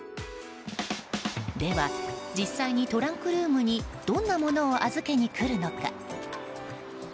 では、実際にトランクルームにどんなものを預けにくるのか。